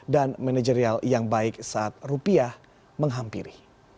manajerial yang baik saat rupiah menghampiri